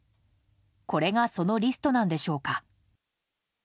これがそのリストなんでしょうか？